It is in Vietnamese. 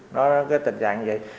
đó là cái tình trạng vậy